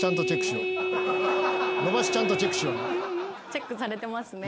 チェックされてますね。